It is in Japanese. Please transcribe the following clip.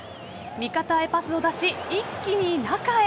味方へパスを出し、一気に中へ。